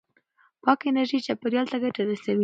پاکه انرژي چاپېریال ته ګټه رسوي.